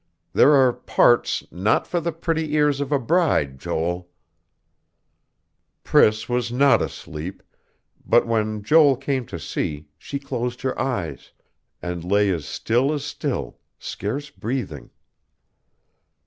There are parts not for the pretty ears of a bride, Joel." Priss was not asleep, but when Joel came to see, she closed her eyes, and lay as still as still, scarce breathing.